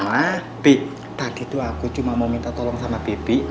wah bi tadi tuh aku cuma mau minta tolong sama bibi